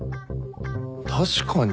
確かに。